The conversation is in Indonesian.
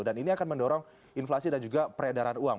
dan ini akan mendorong inflasi dan juga peredaran uang